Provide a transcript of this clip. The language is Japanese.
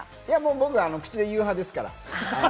僕、口で言う派ですから。